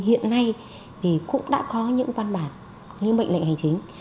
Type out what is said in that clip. hiện nay thì cũng đã có những văn bản những bệnh lệnh hành chính